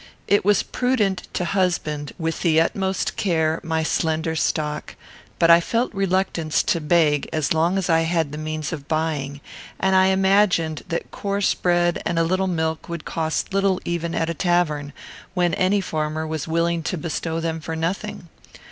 It was prudent to husband, with the utmost care, my slender stock; but I felt reluctance to beg as long as I had the means of buying, and I imagined that coarse bread and a little milk would cost little even at a tavern, when any farmer was willing to bestow them for nothing.